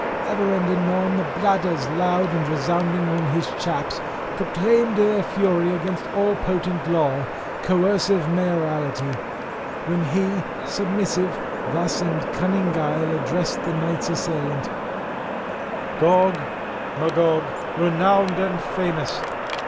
Ever and anon the bladders, loud resounding on his chaps, proclaimed their fury against all potent law, coercive mayoralty; when he, submissive, thus in cunning guile addressed the knights assailant: "Gog, Magog, renowned and famous!